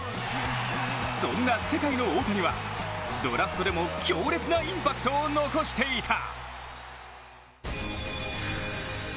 そんな世界の大谷はドラフトでも強烈なインパクトを残していた。